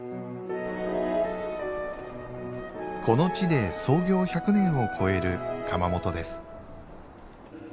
この地で創業１００年を越える窯元です。